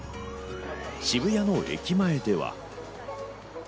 渋谷の駅前では。